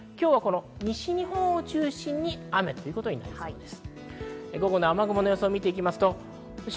今日は西日本を中心に雨となりそうです。